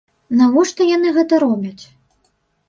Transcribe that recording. Навошта яны гэта робяць?